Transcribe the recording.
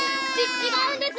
ちちがうんです！